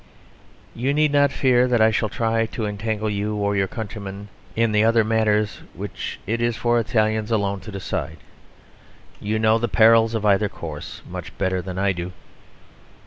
You need not fear that I shall try to entangle you or your countrymen in the matters which it is for Italians alone to decide. You know the perils of either course much better than I do.